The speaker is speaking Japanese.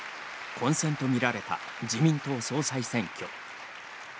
混戦とみられた自民党総裁選挙。